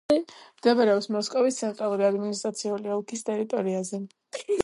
მდებარეობს მოსკოვის ცენტრალური ადმინისტრაციული ოლქის ტერიტორიაზე.